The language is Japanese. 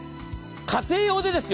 家庭用でですよ。